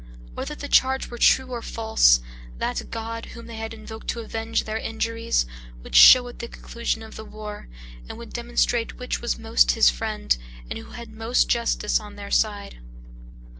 Whether the charge were true or false, that God, whom they had invoked to avenge their injuries, would show at the conclusion of the war, and would demonstrate which was most his friend, and who had most justice on their side."